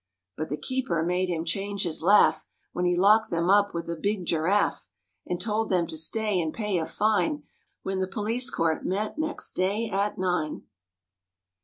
But the keeper made him change his laugh When he locked them up with a big giraffe And told them to stay and pay a fine When the police court met next day at nine.